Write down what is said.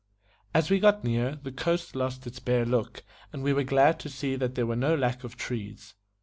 As we got near, the coast lost its bare look, and we were glad to see that there was no lack of trees.